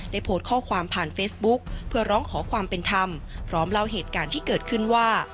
โพสต์ข้อความผ่านเฟซบุ๊กเพื่อร้องขอความเป็นธรรมพร้อมเล่าเหตุการณ์ที่เกิดขึ้นว่า